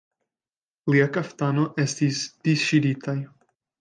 Lia kaftano estis disŝirita.